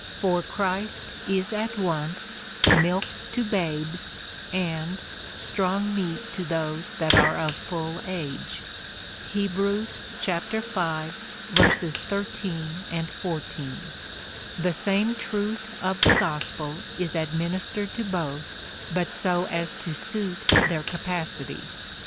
For Christ is at once milk to babes, and strong meat to those that are of full age, (Heb. v. 13, 14,) the same truth of the gospel is administered to both, but so as to suit their capa city.